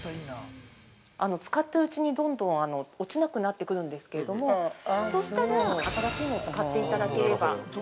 ◆使っているうちに、どんどん落ちなくなってくるんですけど、そうしたら、新しいのを使っていただければ。